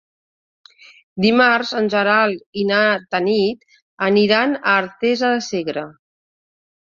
Dimarts en Gerai i na Tanit aniran a Artesa de Segre.